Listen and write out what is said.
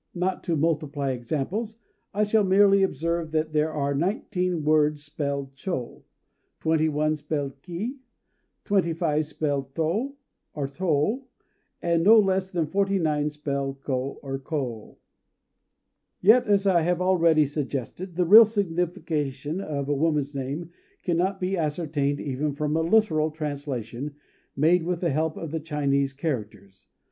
Not to multiply examples, I shall merely observe that there are nineteen words spelled chô; twenty one spelled ki; twenty five spelled to or tô; and no less than forty nine spelled ko or kô. Yet, as I have already suggested, the real signification of a woman's name cannot be ascertained even from a literal translation made with the help of the Chinese characters.